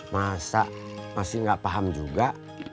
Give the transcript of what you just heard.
masa masih nggak paham juga